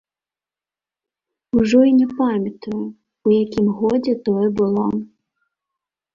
Ужо і не памятаю, у якім годзе тое было.